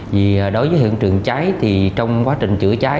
vì đối với hiện trường trái thì trong quá trình chữa trái